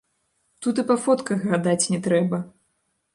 Тут і па фотках гадаць не трэба!